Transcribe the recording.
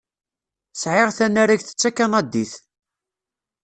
Sεiɣ tanaragt d takanadit.